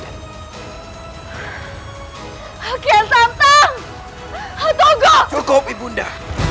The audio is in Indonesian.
akhir akhir sampai atau gogo ibunda